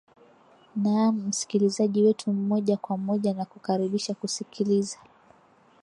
naam msikilizaji wetu moja kwa moja nakukaribisha kusikiliza